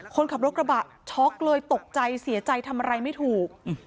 คนขับรถกระบะช็อกเลยตกใจเสียใจทำอะไรไม่ถูก